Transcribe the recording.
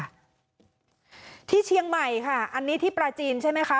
ที่เชียงใหม่ค่ะอันนี้ที่ปลาจีนใช่ไหมคะ